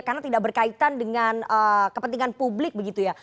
karena tidak berkaitan dengan kepentingan publik begitu ya